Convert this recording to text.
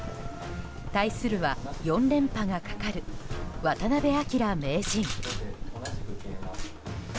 対するは４連覇がかかる渡辺明名人。